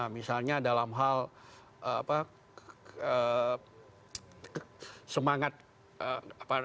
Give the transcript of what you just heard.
misalnya dalam hal semangat apa